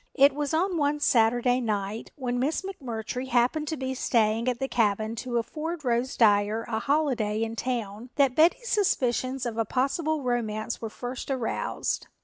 It was on one Saturday night, when Miss McMurtry happened to be staying at the cabin to afford Rose Dyer a holiday in town, that Betty's suspicions of a possible romance were first aroused.